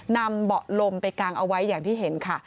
เบาะลมไปกางเอาไว้อย่างที่เห็นค่ะ